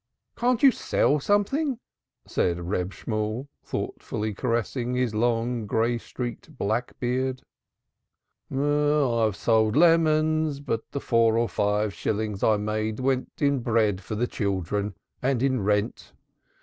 "Can't you sell something?" said Reb Shemuel, thoughtfully caressing his long, gray streaked black beard. "I have sold lemons, but the four or five shillings I made went in bread for the children and in rent.